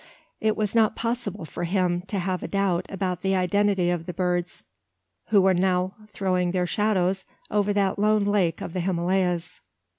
It was not possible for him, to have a doubt about the identity of the birds, who were now throwing their shadows over that lone lake of the Himalayas.